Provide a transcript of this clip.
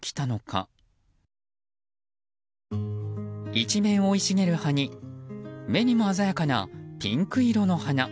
一面生い茂る葉に目にも鮮やかなピンク色の花。